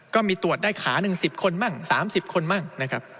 ก็มีตรวจได้ขาหนึ่ง๑๐คนมั่ง๓๐คนมั่งนะครับ